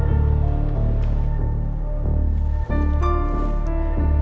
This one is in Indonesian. tidak ada yang bisa dihukum